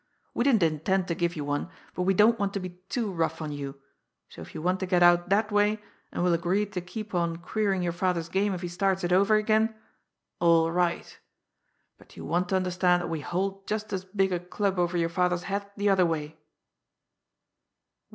We didn't intend to give you one, but we don't want to be too rough on you, so if you want to get out that way, and will agree to keep on queering your father's game if he starts it over again, all right. But you want to understand that we hold just as big a club over your father's head the other way."